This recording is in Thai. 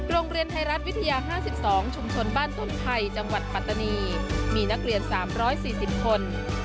โรงเรียนไทยรัฐวิทยา๕๒ชุมชนบ้านตุ๋นไทยจังหวัดปัตตานีมีนักเรียน๓๔๐คน